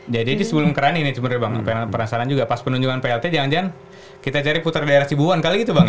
jadi sebelum kerani nih cuma bang pengen penasaran juga pas penunjukan plt jangan jangan kita cari putar daerah sibu huan kali gitu bang ya